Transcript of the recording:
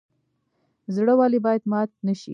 زړه ولې باید مات نشي؟